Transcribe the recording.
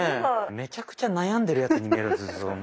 めちゃくちゃ悩んでるヤツに見える。